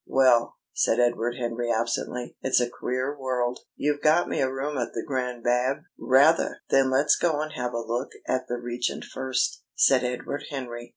"Well," said Edward Henry absently, "it's a queer world. You've got me a room at the Grand Bab?" "Rather!" "Then let's go and have a look at the Regent first," said Edward Henry.